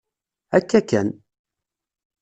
Akka kan!